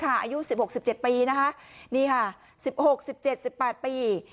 อายุ๑๖๑๗ปี